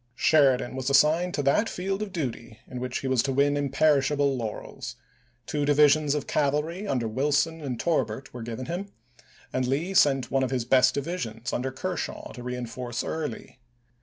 Sheridan was as signed to that field of duty in which he was to win imperishable laurels; two divisions of cavalry under Wilson and Torbert were given him, and PETERSBURG 427 Lee sent one of his best divisions under Kershaw ch. xviil to reenforce Early.